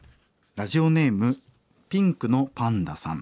ラジオネームピンクのパンダさん。